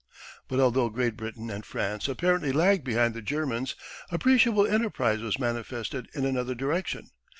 But although Great Britain and France apparently lagged behind the Germans, appreciable enterprise was manifested in another direction.